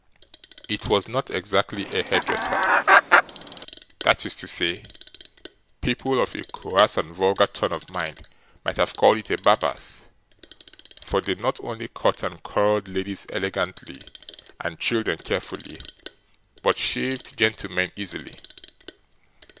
It was not exactly a hairdresser's; that is to say, people of a coarse and vulgar turn of mind might have called it a barber's; for they not only cut and curled ladies elegantly, and children carefully, but shaved gentlemen easily.